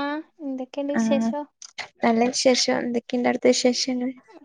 ആഹ എന്തൊക്കെയുണ്ട് ആഹ് വിശേഷം. നല്ല വിശേഷം എന്തൊക്കെയുണ്ട് അടുത്ത വിശേഷം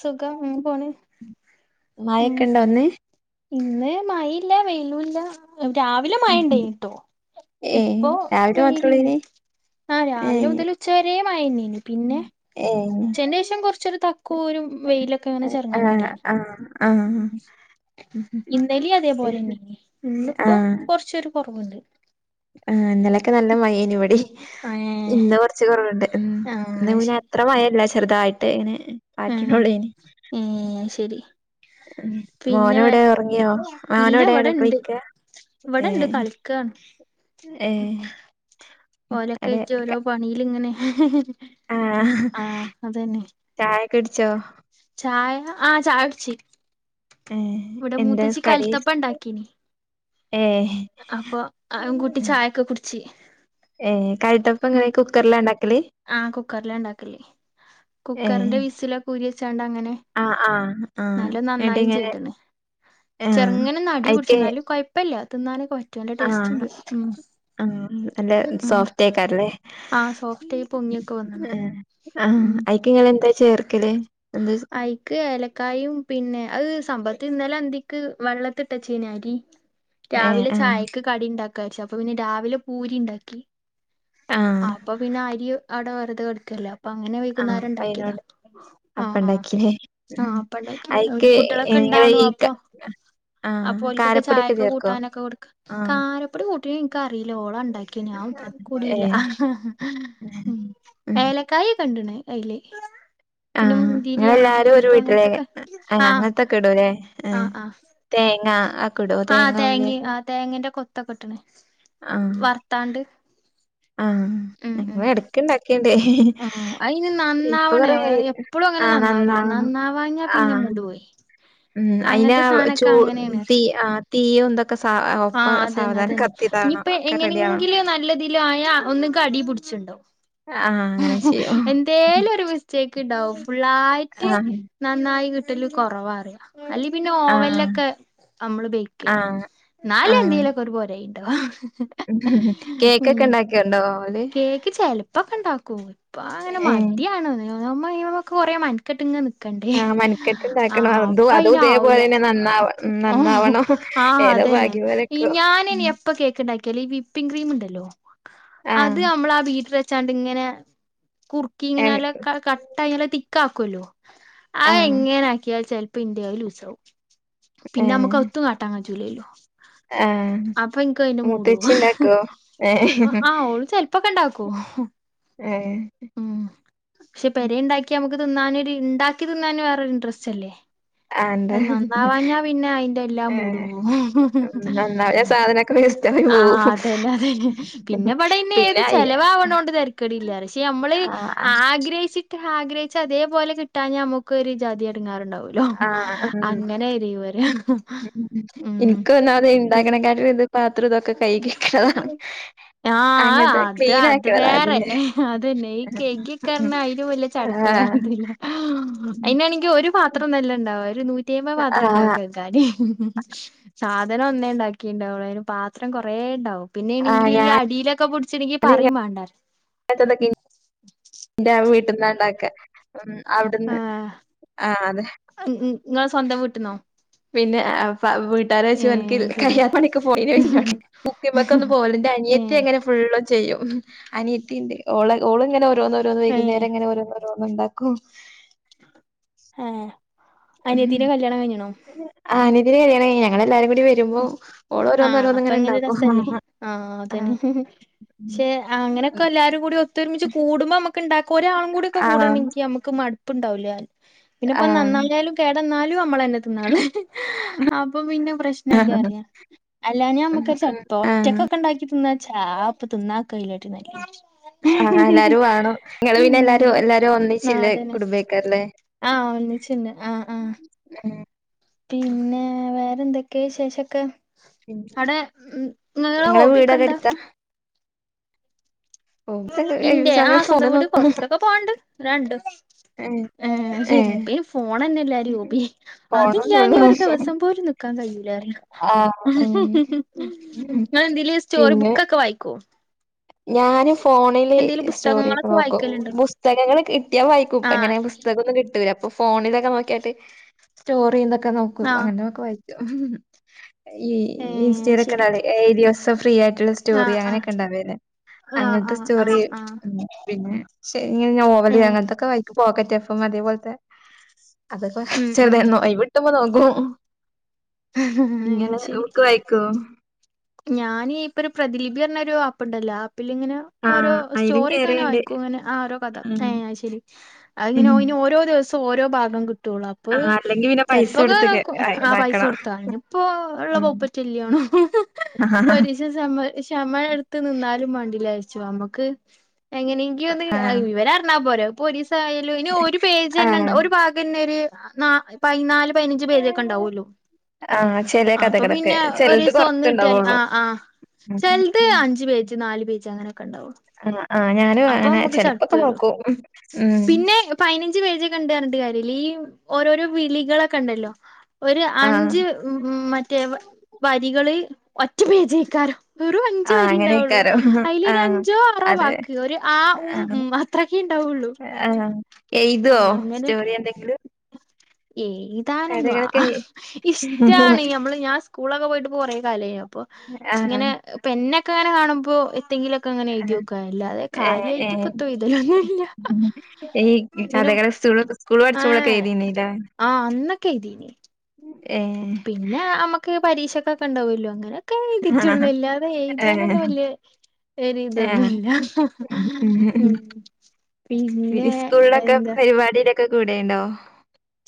സുഖം ഉം പോണ് ഉം മഴയൊക്കെ ഉണ്ടോ ഇന്ന് ഇന്ന് മഴയില്ല വെയിലൂല്ല. രാവിലെ മയണ്ടായിട്ട്ട്ടോ ഏഹ് ഇപ്പൊ രാവിലെ വെയിലില്ല. മാത്രള്ളേനി ആ രാവിലെ ഏഹ് മുതൽ ഉച്ചവരെ മയിന്നനു പിന്നെ ഏഹ് ഉച്ചന്റെ ശേഷ കുറച്ചൊരു കൂരും വെയിലൊക്കെ ഇങ്ങനെ ചെറങ്ങനുണ്ട്. ആഹ് ആഹ് ആഹ് ഉ ഇന്നലി അതേപോലെന്നെ ഇന്നിപ്പോ കുറച്ചൊരു കൊറവുണ്ട്. ആ ഇന്നലൊക്കെ നല്ല മഴേയ്നു ഇവിടേം ഏഹ് ഇന്ന് കൊറച്ച് കൊറവെണ്ട് ഉം ഇന്ന് ആഹ് പിന്ന അത്ര മഴയില്ല ചെറുതായിട്ട് ഇങ്ങനെ ഉം പാറ്റിനൊള്ളേനി ഉം എന്ന ശരി ഉം പിന്നെ വേ മോനെവിടെ ഒറങ്ങിയോ ഇല്ല മോനെവിടെ അവിടെ ഇവടെണ്ട് കളിക്കാ ഇവിടെണ്ട് ഏഹ് കളിക്കാണ് ഏഹ് ഓല അവിടെ ഓക്കെയിട്ട് ഓരോ പണിൽങ്ങനെ ഹ ഹ ആഹ ചായ കുടിച്ചോ? ചായ ആ ചായ കുടിച്ചി ഏഹ് ഇവിടെ എന്താ മൂത്തച്ചി കടി കലുത്തപ്പ ഉണ്ടാക്കീ. ഏഹ് അപ്പോ അതുകൂട്ടി ചായൊക്കെ കുടിച്ച് ഏ കഴട്ടപ്പ ഉം ഇങ്ങനെ കുക്കറില ഉണ്ടാക്കല് ആ കുക്കറില ഇണ്ടാക്കല് ഏ കുക്കറിന്റെ വിസിലൊക്കെ ഊരി വെച്ചാണ്ട് അങ്ങനെ ആ ആ ആ നല്ല എന്നിട്ട് നന്നായി ഇങ്ങനെ ചെയ്തണ് ആ ചെറുങ്ങനെ ഒന്ന് അടീ പിടിച്ചു അയിക്ക് എന്നാലും കൊഴപ്പില്ല തിന്നാനൊക്കെ പറ്റും നല്ല ആ ടേസ്റ്റിണ്ട് ആ നല്ല സോഫ്റ്റേക്കാറില്ലേ ആ സോഫ്റ്റായി പൊങ്ങിയൊക്കെ വന്ന്ണ് ആഹ് ആ ഐക്കിങ്ങള് എന്താ ചേർക്കല് എന്താ ഐക്ക് ഏലക്കായും പിന്നെ [unintelligible] സംഭത്ത് ഇന്നലെ അന്തിക്ക് വെള്ളത്തിട്ടാച്ചനരി ഏ രാവിലെ ആ ചായക്ക് കടീണ്ടാക്കാ ന്ന് വിചാരിച്ച് അപ്പ പിന്നെ രാവിലെ പൂരിണ്ടാക്കി ആ അപ്പ പിന്ന അരി അവിടെ വെറുതെ കിടക്കുവല്ലേ അപ്പൊ അങ്ങനെ ആ വൈകുന്നേരം അപ്പ ഇണ്ടാക്കിയതാ. അയിനോട് ആ അപ്പ ആഹ് ഉണ്ടാക്കില്ലേ ആ ഉം. അപ്പിണ്ടാക്കിയതാ അയിക്ക് കുട്ടികളൊക്കെ നിങ്ങള് ഇണ്ടാണു ഈ ക അപ്പൊ ആ അപ്പ ഒൽക്കൊക്ക കാരപ്പൊടിയൊക്കെ ചായക്ക് ചേർക്കോ കൂട്ടാനൊക്കെ കൊടുക്കാം. ആ കാരപ്പൊടി കൂട്ടീത് എനിക്കറിയില്ല ഓളാ എണ്ടാക്കിയെ ഞാ [unintelligible] ഏ കൂടിയില്ല ഇം ഉം. ഏലക്കായ ഇ ടണ കണ്ടണ് അതില് ആ പിന്നെ മുന്തിരി അണ്ടി നിങ്ങളെല്ലാരും ഒരു പരിപ്പ് വീട്ടിലെ അങ്ങനത്തൊക്കെ ആ അങ്ങനത്തൊക്കെ ഇടൂല്ലേ ഏ ആ ആ തേങ്ങ ഒക്കെ ഇടോ ആ തേങ്ങ തേങ്ങേം ഉള്ളിയൊക്കെ ആ തേങ്ങേന്റെ കൊ ത്തക്ക ഇട്ട്ണി വർത്താണ്ട് ആ ഞങ്ങള് എട‌ക്കിണ്ടാക്കിയ ആ അതിനി നന്നാവണേ കൊറേയായി എപ്പളും അങ്ങനെ ആഹ് നന്നാവൂല നന്നാവണം നന്നാവാഞ്ഞാ പിന്നെ ആഹ് [unintelligible] പോയ് ഉം അയിനാ ചൂ തീ ആ തീയൊന്തൊക്കെ സ ഒപ്പ ആഹ് അതന്നെ സാവധാനം ക അതന്നെ ഇനിയിപ്പ എങ്ങനെങ്കിലും നല്ലതിലായാ ഒന്നെങ്കി അടി പിടിച്ചുണ്ടാവും ആഹ് അങ്ങനെ ചെയ്യും എന്തേലും ഒരു മിസ്റ്റേ‌ക്കിണ്ടാവും ഫുള്ളായിട്ട് ആഹ് നന്നായി കിട്ടല് കൊറവാ പറയാ അല്ലേ പിന്നെ ആഹ് ഓവനിലൊക്കെ നമ്മള് ബേക്ക് ചെയ്യണം ആഹ് എന്നാലും ആഹ് എന്തെങ്കിലു ഒക്കൊരു പോരായ്മ‌ ട്ടോ ഉം കേക്കൊക്കെ ഇണ്ടാക്കിയുണ്ടോ ഓല് കേക്ക് ചെലപ്പക്കെ ഇണ്ടാ ക്കും ഇപ്പ അങ്ങനെ ഏഹ് മടിയാണ് [unintelligible] കൊറെ മെനക്കട്ട് ഇങ്ങനെ നി ക്കണ്ടേ ആഹ് മനിക്കെട്ട് ആ ഇണ്ടാക്കണം അപ്പ അതും അതും അയിനാവൂല്ല ഇതേപോലെന്നെ നന്നാവ നന്നാവണം ആ ഏതോ അതന്നെ ഭാഗ്യം ഇ പോലെക്കോ ഞാനിനി എപ്പ കേ‌ക്കിണ്ടാ‌ക്കി യാല് ഈ വിപ്പിംങ് ക്രീം ഇണ്ടല്ലോ അത് നമ്മളാ വീട്ടില് വെച്ചാണ്ടിങ്ങനെ കുറുക്കി ഇങ്ങനെ ആഹ് നല്ല ക കട്ട് ഇങ്ങനെ തിക്കാക്കുവല്ലോ അത് ആഹ് എങ്ങനെ ആക്കിയേച്ചാലും ഇപ്പ ഇന്റെ അത് ലൂസാവും പിന്നെ നമുക്ക് ഏഹ് അതൊട്ടും കാട്ടാൻ പറ്റുല്ലല്ലോ ആഹ് അപ്പൊ എനിക്ക് അതിന്റെ മൂട് മൂത്തച്ചി പോവും ഇണ്ടാക്കോ ഏഹ് ആ ഓള് ചെലപ്പോക്കെ ഇണ്ടാ ക്കും ഏഹ് ഉം പക്ഷെ പെരെ എണ്ടാക്കി നമുക്ക് തിന്നാനൊരു ഇണ്ടാക്കി തിന്നാൻ വേറൊരു ഇൻട്രസ്റ്റല്ലേ ആഹ് എന്താ നന്നാവാഞ്ഞാ പിന്നെ അയിന്റെ എല്ലാം മൂടും ഏഹ് പോവും ഒന്നാമത് സാധനൊക്കെ വേസ്റ്റായി ആ പോവും അതന്നെ അതെന്നെ പിന്നെവടെ പിന്നെഇത് പിന്നെ അയി ചെലവാവണോണ്ട് തരക്കേടില്ല പറയാ പക്ഷെ നമ്മള് ആഹ് ആഗ്രഹിച്ചിട്ട് ആഗ്രഹിച്ച അതേപോലെ കിട്ടാഞ്ഞ നമുക്കൊരു ജാതി എടങ്ങേറിണ്ടാവും ക്കൂലോ ആഹ് അങ്ങനെ [unintelligible] ഉം ഉം എനിക്ക് ഒന്നാതെ ഇണ്ടാക്കണക്കാട്ടിലും ഇത് പാത്രം ഇതൊക്കെ ക ആഹ അത് അത് വേറെ അതന്നെ ഈ കകി കേറുന്ന അതിന് വല്ിയ ചടുപ്പ് വേ ആഹ് [unintelligible] അനാണങ്കക്ക് ഒരു പാത്രം അല്ല ഇണ്ടാവ ഒരു നൂറ്റി അമ്പത് പത്രം ഉണ്ടാവും ആഹ് കൈകാന് ഉ സാധനം ഒന്നേ ഉണ്ടാക്കിണ്ടാവുള്ളു അതിന് പാത്രം കൊറേ ഉണ്ടാവും ആഹ് പിന്നെണെങ്കിൽ ഈ ഞാന് അടിയിലൊക്കെ പിടിച്ചണെങ്കി പറയും വേണ്ടാ എന്റെ വീട്ടിൽന്നണ്ടാക്കെ ഉ അവിടുന്ന് ആഹ് ആ അതെ നിങ്ങളെ സ്വന്തം വിട്ടിന്നോ പിന്ന ആ വീട്ടാരോയ്ച്ചു എനിക്ക് ശരി കല്യാണ പണിക്ക് പോയിനോ എന്നോട് [unintelligible] അനിയത്തി ഏഹ് അങ്ങനെ ഫുള്ളും ചെയ്യും അനിയത്തീണ്ട് ഓള് ഓളിങ്ങനെ ഓരോന്നോരോന്ന് ഏഹ് വൈകുന്നേരം ഇങ്ങനെ ഓരോന്നോരോന്നിണ്ടാ ക്കും ആ ഉ ആ നിയത്തിൻ്റെ കല്യാണ കയിഞ്ഞി ഞങ്ങളല്ലരും കൂ വരുമ്പോ ഓളോ ഓരോന്ന ആഹ് അപ്പൊ ഇങ്ങനെ ഓരോന്നങ്ങനെണ്ടാക്കും രസല്ലേ ആഹ് അതന്നെ പക്ഷെ അങ്ങനെയൊക്കെ എല്ലാരും കൂടി ഒത്തൊരുമിച്ച് കൂടുമ്പോ നമ്മക്ക് ഉണ്ടാക്ക ഒരാളും കൂടി ഒക്കെ ആഹ് കൂടണെങ്കിൽ നമുക്ക് മടുപ്പ് ഉണ്ടാവൂല്ല പിന്നെപ്പ ആഹ് നന്നായാലും കേട എന്നാലും നമ്മളന്ന തിന്നാള് അപ്പൊ പിന്നെ ല്ല അറിയാം അല്ലാ ഞാമ്മക്കൊരു ചടപ്പാ ഒറ്റക്ക ആഹ് ഒക്കെ ഉണ്ടാക്കി തിന്നാ ഛാപ്പത്തുംന്നാ കൈലട്ടിനല്ലി ആ എല്ലാരും വേണോ ങ്ങള് പിന്നെ ഉം എല്ലാരും എല്ലാരും ഒന്നിച്ചില്ലേ കുടുംബക്കാാരല്ലെ. ആ ഒന്നിച്ചന്നെ ആ ആ പിന്നെ വേറെന്തൊക്കെ വിശഷമൊക്കെ അടെ ഉ ങ്ങളെ നിങ്ങളെ വീട് അവിടെ ഹോബക്ക്ന്താ? അടുത്താ ഓ ഇത് ഒഴിവ് ഇന്റെ ആ സമയം സ്വന്തം ഫോണ് വീട് നോക്കും കൊറച്ചൊക്കെ പോവാണ്ട് രണ്ട്. ഏഹ് ഏ ഏഹ് ശരിപ്പ ഫോൺ ഹോപി പോണന്നൊള്ളൂ അതില്ലാഞാൽ ഒരു ദിവസം പോലും നിക്കാൻ കഴിയുലല്ലോ അറിയോ ആഹ് ഉം ഹ ഹ ന്തല സ്റ്റോറി ബുക്കക്കെ വായിക്കോ? ഞാനും ഫോണില് എന്തേലും സ്റ്റോറൊക്കെ പുസ്തകങ്ങളൊക്കെ നോക്കും വായിക്കലുണ്ടോ പുസ്തകങ്ങള്ൾ കിട്ടിയാ വായിക്കൂ ആഹ് അങ്ങന പുസ്തകന്നും കിട്ടല്ല പ്പം ഇൊ ഫോണിലൊക്കെ നോക്കിട്ട് സ്റ്റോറിക്കെ നോക്കും ആഹ് അങ്ങനെക്കെ വായിക്കും. ഈ ഏഹ് ഇൻസ്റ്റയിലൊക്കെ ശരി ഉണ്ടാവ ഏരിയോസം ഫ്രീ ആയിട്ടുള്ള സ്റ്റോറി ആഹ് ആഹ് അങ്ങനെയൊക്കെ ഉണ്ടാവെ ല്ലെ ആഹ് അങ്ങനത്തെ ആഹ് സ്റ്റോറി ആഹ് ആഹ് പിന്നെ ശ ഇങ്ങനെ നോവൽ ഏഹ് അങ്ങനത്തൊക്കെ വായിക്കും പോക്കറ്റ് ഫ്രീ. മ അതേപോലത്തെ അതൊക്കെ ഉം ഉം ചെറുത ഒഴിവിട്ടുമ്പോ നോക്കും ഇങ്ങള് ശരി ബുക്ക് വായിക്കോ? ഞാന് ഇപ്പൊ ഒരു പ്രതിലിപി എന്ന ഒരു ആപ്പണ്ടല്ല. പി ഇങ്ങനെ ആ ഓരോ അയിലും സ്റ്റോറിക്കാനെ കേറിയുണ്ട് വായിക്കും ഇങ്ങനെ ആരോ കഥ ഉം. ഏ ഉം. ശരിങ്ങനെ [unintelligible] ഓരോ ദിവസം ഓരോ ഭാഗം കി- കിട്ടുള്ളൂ അപ്പൊ ആ അല്ലെങ്കിൽ പിന്നെ പൈസ ചെിലപ്പോൊക്കെ കൊടുത്ത് കേ- ആ പൈസ ഇതാക്കണം കൊടുത്ത ഇപ്പോ ഉള്ള ഉം. ബൈാപ്പറ്റല്ലേ ണും [unintelligible] ഒരിശമ ശമ എടുത്ത് നിന്നാലും മണ്ടില അയച്ചു നമ്മക്ക് എങ്ങനെങ്കി ഒന്ന് ആ. ഇവര് അറങ്ങാ പോര പോ ല ആ പ ഭാഗ [unintelligible] പതിനഞ്ച് പേരൊക്കെ ഉണ്ടാവല്ലോ ആ ചില അപ്പൊ കഥകളൊക്കെ പിന്നെ ഒരു ചിലത് ദിവസം പുറത്തുണ്ടാവുള്ളൂ ആ ആ് ഉം. ചിലത് ഉം. അഞ്ച് പേജ് നാല് പേജ അങ്ങനെ. ഒക്കെണ്ടവും ആ ആ ഞാനും അപ്പ അങ്ങനെ നമുക്ക് ചടപ്പ് ചെലപ്പൊക്കെ വരു നോക്കും ഉം. പിന്നെ പതിനഞ്ച് പേജി കണ്ട കരിണ്ട് കാര്യ ഈ ഓരോരോ വിളികളൊക്കെണ്ടല്ലോ. ഒരു ആ അഞ്ച് ഉ മറ്റേ വരികള് ഒറ്റ പേജേക്കാരും വെറും അഞ്ച ആ വരി ഉണ്ടാവുള്ളു അങ്ങനെയൊക്കാരോ ആ അതിലൊരു അഞ്ചോ ആറോ അതെ വാക്ക് ഒരു ആ ഉ ഉ അത്രക്കെ ഉണ്ട ആ എയ്തോ സ്റ്റോറി എന്തെങ്കിലും? [inaudible] എഴുതാനൊന്നുംവാ കഥകളൊക്കെ ഇഷ്ടാണ് നമ്മള് ഞാൻ സ്കൂളൊക്കെ പോയിട്ട് കൊറ കാലായിലെ അപ്പ ആ ഇങ്ങനെ ഇപ്പൊ പേനൊക്കെ അങ്ങനെ കാണുമ്പോ ന്തെങ്കിലൊക്കെ എഴുതോക്ക അങ്ങനെ ആ എഴുയക്കല്ല അതെ ഏ ഏ കാര്യമായിട്ട്പ്പ എഴ്തലൊന്നുല്ലാ ഭയരസ് സ്കൂൾ പഠിച്ചപ്പോക്കെ എഴുതിനി ല്ലേ ആഹ് അന്നക്കെ ഇതീനി ഏ പിന്നെ നമ്മുക്ക് പരീക്ഷക്കൊക്കെ ഉണ്ടാവല്ലോ അങ്ങനെ എഴുതിട്ടുള്ളൂ ഇല്ലാതെ ഏ എഴുതാനന്നെ വല്ിയ. ഒരുരി ഏ ഇതൊന്നുമല്ല പി സ്കൂളിലൊക്കെ പരിപാടിയിലൊക്കെ കൂടെുണ്ടോ?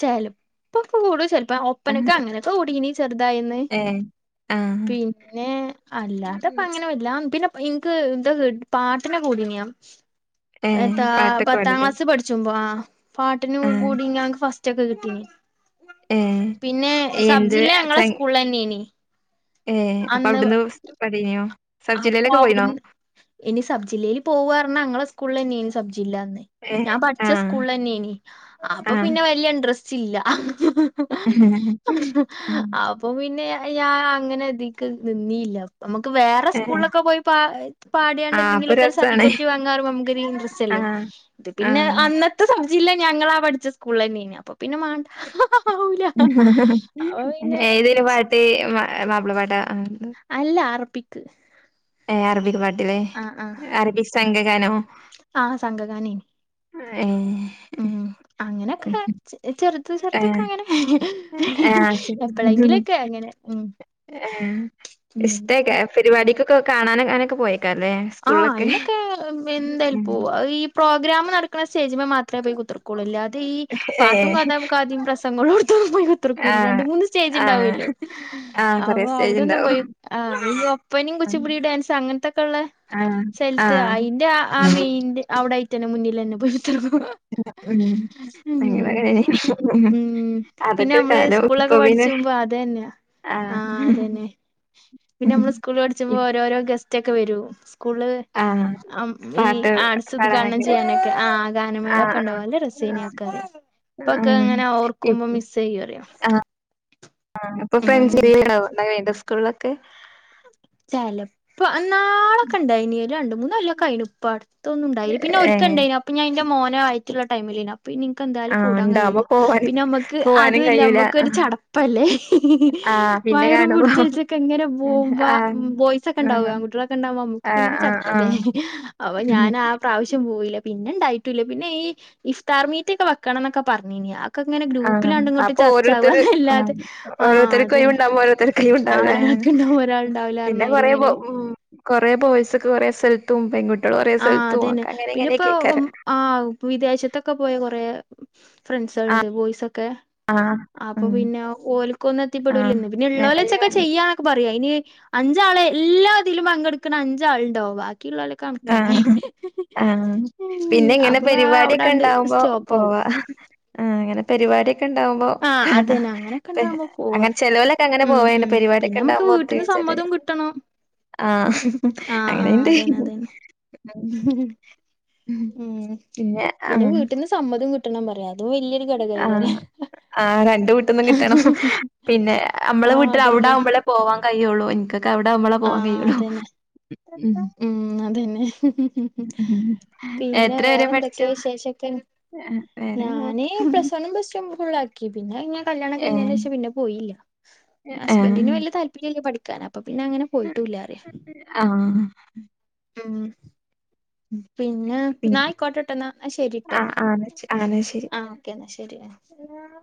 ചലപ്പൊ കൂടും ചെപ്പോ ഒപ്പനൊക്കെ അങ്ങനെയൊക്കെ കുടിനി ചെറുതായിന്ന് ഏ ആഹ് പിന്നെ അല്ലാതെ അങ്ങനെ വല്ല പിന്നെ എനിക്ക് ഇന്താ പാട്ടിനെ കൂടനിയാ ഏ എട്ടാ പാട്ടൊക്കെ പത്താം പാടില്ലേ ക്ലാസ് പഠിച്ചപോ പാട്ടിനു ആഹ് കൂടിക്ക് ഫസ്റ്റ് ഒക്കെ കിട്ടീ ഏ പിന്നെ എന്ത് സബ്ജില്ല ഞങ്ങളെ സ സ്കൂള തന്നെയനി ഏ അപ്പൊ അവിടുന്ന് പടിന്യാ അപ്പൊ അവിടുന്ന് ഇനി സബ്ജില്ലയിൽ പോവറഞ്ഞ അങ്ങളെ സ്കൂളിൽ തന്നെയ സബ്ജ ജില്ലാ ഏ ഞാൻ പഠിച്ച ആഹ് സ്കൂള തന്നെയ അപ്പൊ ആഹ് പിന്നെ വലിയ ഇഡ്രസ്റ്റ്‌ റ്റില്ല ഹ്ഹ ഹ്ഹഹ്ഹ അപ്പൊ പിന്നെ ഞാൻ അങ്ങനെ ദിക്ക് നിന്നില്ല നമുക്ക് വ ഏ സ്കൂളിലൊക്കെ പോയി പ പാടാണ്ട് ആ അപ്പൊ എന്തെങ്കിലുമൊക്കെ ഒരു രസാണ് സർട്ടിഫിക്കറ്റ് വാറോ നമുക്കൊരു ഇൻട്രസ്റ്റ്ല്ലേ ആഹ് ഇ പിന്നെ ആഹ് അന്നത്തെ സബ്ജില ഞങ്ങാ പഠിച്ച സ്കൂളിൽ തന്നെ അപ്പൊ പിന്നെ മണ്ട ഏതൊരു പാട്ട് മാപ്പിള പാട്ടാ അല്ല അറബിക്ക് ഏ അറബിക് പാട്ടിലെ ആഹ് ആഹ് അറബിക് സം ആഹ് സംഗഗാനം എ ഏ ഉം അങ്ങനെനൊക്കെ ചെറുതൊക്കെ ഏഹ് അങ്ങനെ ഹി ഹി ആഹ് ഹി ആഹ് എപ്പഴെങ്കിലൊക്കെ അങ്ങനെ ഉ ആ ഇഷ്ടക്കെ പരിപാടിക്കൊക്കെ കാണാനങ്ങനൊക്കെ പോയ ആഹ അതിനൊക്കെ ഉം എന്തായാലുംപ്പോ ഈ പ്രോഗ്രാം നടക്കുന്ന സ്റ്റേജി മാത്ര അത്ര പോയി കുത്തിർക്കുള്ളൂ അാതെ ഈ പാട്ടും ഏഹ് കഥാഖാദും പ്രസംഗങ്ങളുംടത്തൊന്നും പോയി കുത്തിർക്കൂല്ലല്ലരണ്ട് ആഹ് മൂന്ന് ജ്ജ് ആഹ് ണ്ടാവുല്ലോ ആഹ് കൊറേ അപ്പൊ സ്റ്റേജ് ഔടൊന്ന് ഇണ്ടാവും പോയി ഈ ഒപ്പനിം കുച്ചിപുടിം ഡാൻസ് അങ്ങനെതെക്കേ ള്ള ആഹ് സ്ഥലത്ത് ആഹ് അതിന്റെ ആ മെന്റെ അവിടൊയി തന്നെ മുന്നിൽ തന്നെ പോയി ച ഉം അങ്ങനൊക്കെ ഉ പിന്നെ അതൊക്കെ ഒരു നമ്മള് സ്കൂളൊക്കെ പഠിച്ച്പോ അ അതന്നെ ആഹ് അതന്നെ ആഹ പിന്നെ നമ്മള് സ്കൂളിൽ പഠിച്ച്പോ ഓരോരോ ഗസ്റ്റ് ഒക്കെ വരും സ്കൂള് ആഹ് ഈ പാട്ട് ആട്സ് ഉദ്ഘാടനം പാടാനൊക്കെ ചെയ്യാനൊക്കെ ആ ഗാനമേളൊക്കെ ആഹ് ഉണ്ടക രസ ആഹ് നക്കെറ ഇപ്പൊക്കെ ഉം എങ്ങനെ ഓർക്കുമ്പോ മിസ് ചെയ്യ അറിയാം ആ അപ്പൊ ഫ്രണ്ട്ണ വേണ്ട സ്കൂളിലൊക്കെ ചല ഇപ്പ നാളൊക്കെ ഇണ്ടായിനി രണ്ട മൂന്നല്ലൊക്കെ അയിന് ഉപ്പാട് ഇൊന്നും ഉണ്ടില്ല പിന്നെ ഒരിക്കക്ക ഏഹ് ഉണ്ടായിരുന്നു അപ്പൊഞാൻന്റെ മോന ആയിട്ടുള്ള ടൈമിന പിന്നെ നിനിക്ക് എന്തായാലും ആഹ് കൂടാൻ ഉണ്ടാവുമ്പോ കഴിയില്ല പോവാനും പിന്നെ നമ്മക്ക് പോവാനും അതല്ല കഴിയൂല നമ്മക്ക്ഒരു ചടപ്പല്ലേ ആഹ് പിന്നെ മയറും കാണുമ്പോ പിടിച്ചലിച്ചക്കെ എങ്ങനെ പോകുമ്പ ഉ ആഹ് ബോയ്സ് ഒക്കെ ആഹ് ഉണ്ടാവുകൻ കുട്ടികൊക്കെണ്ടാവും നമ്മുക്ക് ആഹ് പിന്നെട് ആഹ് ചുപ്പല്ലേ ആഹ് അപ്പൊ ഞാൻ ആ പ്രാവശ്യം പോയി പിന്നെ ഇണ്ടായിട്ടൂല്ല പിന്നെ ഈ ഇഫ്താർ മീറ്റൊക്കെ വെക്കണം എന്നൊക്കെ പറഞ്ഞീ ഇങ്ങനെ ആഹ് ഗ്രൂപ്പിലാണ്ട ഇങ്ങോട്ട് അപ്പൊ ഓരോരുത്തര് ആഹ് ചർച്ചകുംന്നല്ലാതെ ആ അത ഓരോരുത്തർക്ക് തന്നെ ഒഴിവുണ്ടാവുമ്പോ ഓരോരുത്തർക്ക് ആ ഒഴിവുണ്ടാവില്ല അങ്ങനെ എക്കണ്ട ഒരാൾ ഉണ്ടാവില്ല പിന്നെ പറഞ്ഞമാതിരി കൊറെേ ഉ ഇങ്ങനെ കൊറെേ പോയസക്ക് കൊറെേ സ്ഥലത്തും പെൺകുട്ടി ആഹ അതന്നെ പിന്നെ ഇപ്പോ ആ് വിദേശത്തൊക്കെ പോയ കൊറ ആഹ് ഫ്രണ്ട്സ്കളുടെ ബോയ്സ് ഒക്കെ ആഹ് അപ്പൊ ഉം പിന്നെ ഓലക്കൊന്ന ആഹ് എത്തിപ്പെടൂലന്ന് പിന്നെ ഉള്ളോല ഞങ്ങള് വച്ചൊക്കെ ചെയ്യാന്നൊക്കെ പറയാ ഇനി അഞ്ചാളെ എല്ലാതിലും പങ്കെടുക്കണ അഞ്ചാളുണ്ടോ ബാക്കിയ ഉള്ളവൊക്കെ ആഹ ആഹ ഉം പിന്നെ ഇങ്ങനെ അപ്പൊ ആ പരിപാടൊക്കെ അവിടാണ്ട് ഉണ്ടാവുമ്പോ സ്റ്റോപ്പ് ആവും പോവാ ആ അങ്ങനെ പരിപാടിയൊക്കെ ഇണ്ടാവുമ്പോ ആ.. കാണാ അതന്നെ.. അങ്ങനൊക്കെ പെ ഉണ്ടാവുമ്പോ അങ്ങനെ പോവാറ്.. ചെലോലൊക്കെ അങ്ങനെ ഉം.. പോവേണ്ട് ഉം.. പിന്നെ പരിപാടിയൊക്കെ നമ്മുക്ക് ഇണ്ടാവുമ്പോ വീട്ടന്ന് സ - ഒത്തൊരുമിച്ചിട്ട് മ്മതും കിട്ടണം ആഹ്... ആ ആ അങ്ങനെ എന്തയ് അതന്നെ അതന്നെ ഉം പിന്നെ വീട്ടിന്ന് സമ്മതം കിട്ടണം പറയാതെ ആ.. ആ രണ്ട് വീട്ടൊന്നും കിട്ടണം.. പിന്നെ അമ്മളെ ആഹ് വീട്ടന്ന് അതന്നെ അവിടെകുമ്പോളെ പോവാൻ കഴിയുള്ളു.. എനിക്കൊക്കെ അവിടെവുമ്പളെ പോവാൻ ആഹ് കഴിയുള്ളു.. അതന്നെ ഉം.. ഉം അതന്നെ ഉം പിന്നെ എത്ര വരെ വേറെ എന്തൊക്കെയാ പഠിച്ചു വി ശേഷോക്കെ വേറെങ്ങനെ ഞാന് പ്ലസ് വൺ പ്ലസ് ടു ഫുള്ളക്കി... പിന്നെ കല്യാണം ഏഹ് കഴിഞ്ഞതിന് ശേഷം പിന്നെ പോയില്ല... ആഹ് ഹസ്ബന്റിന് വല്യ താല്പര്യമില്ല പഠിക്ക ടിക്കാൻ.. അപ്പൊ പിന്നെ അങ്ങനെ പോയിട്ടൂല്ല പറയാ ആഹ് ഉം പിന്നെ പിൻ എന്നയിക്കോട്ടെട്ടോ... എന്നാ ശെരിട്ടോ... ആഹ് ആണ് ആണ് ശരി ആ ഓക്കേ എന്നാ ശരി ശരിയാ